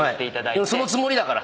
そのつもりだから。